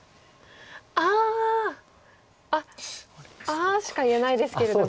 「ああ」しか言えないですけれども。